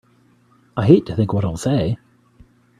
I hate to think what he'll say!